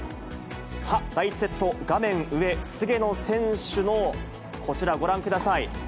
第１セット、画面上、菅野選手のこちら、ご覧ください。